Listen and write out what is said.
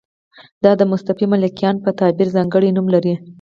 دا د مصطفی ملکیان په تعبیر ځانګړی نوم لري.